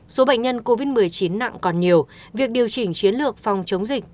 số bệnh nhân covid một mươi chín nặng còn nhiều việc điều chỉnh chiến lược phòng chống dịch